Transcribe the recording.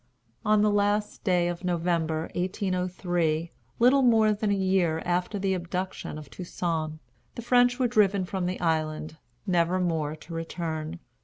On the last day of November, 1803, little more than a year after the abduction of Toussaint, the French were driven from the island, never more to return.